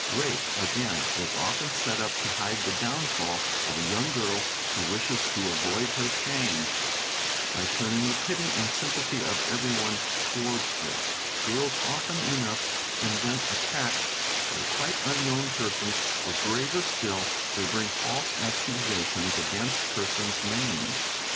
Rape, again, is often set up to hide the downfall of a young girl who wishes to avoid her shame, by turning the pity and sympathy of every one towards her; girls often enough invent attacks by quite unknown persons or, graver still, they bring false accusations against persons named.